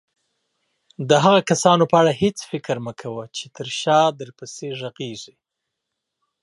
د هغه کسانو په اړه هيڅ فکر مه کوه چې تر شاه درپسې غږيږي.